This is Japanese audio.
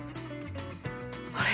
あれ？